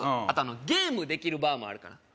あとあのゲームできるバーもあるから